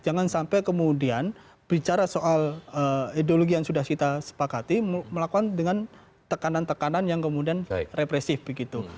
jangan sampai kemudian bicara soal ideologi yang sudah kita sepakati melakukan dengan tekanan tekanan yang kemudian represif begitu